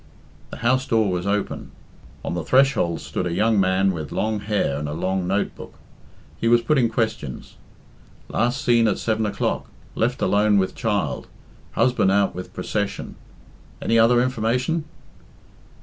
The house door was open. On the threshold stood a young man with long hair and a long note book. He was putting questions. "Last seen at seven o'clock left alone with child husband out with procession any other information?"